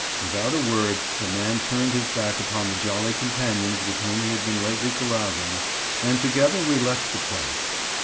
Without a word the man turned his back upon the jolly companions with whom he had been lately carousing, and together we left the place.